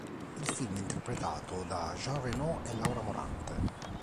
Il film è interpretato da Jean Reno e Laura Morante.